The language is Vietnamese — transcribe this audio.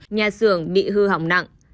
nhà xưởng bị hư hỏng nặng